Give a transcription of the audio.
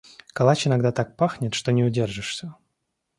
Калач иногда так пахнет, что не удержишься.